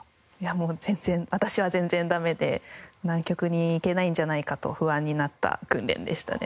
もう私は全然ダメで南極に行けないんじゃないかと不安になった訓練でしたね。